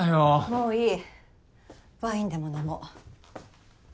もういいワインでも飲も。